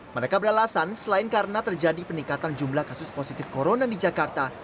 mereka beralasan selain karena terjadi peningkatan jumlah kasus positif corona di jakarta